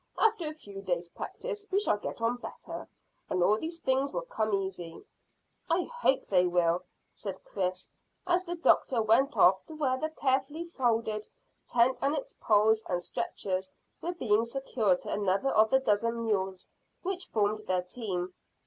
After a few days' practice we shall get on better, and all these things will come easy." "I hope they will," said Chris, as the doctor went off to where the carefully folded tent and its poles and stretchers were being secured to another of the dozen mules which formed their team.